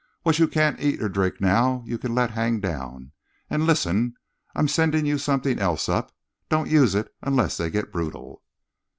What you can't eat or drink now, you can let hang down. And listen. I'm sending you something else up. Don't use it unless they get brutal."